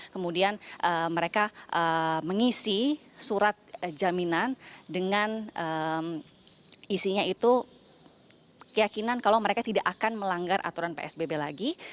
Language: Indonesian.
kemudian mereka mengisi surat jaminan dengan isinya itu keyakinan kalau mereka tidak akan melanggar aturan psbb lagi